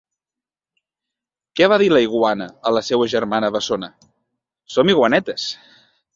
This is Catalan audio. Què va dir la iguana a la seua germana bessona? Som iguanetes!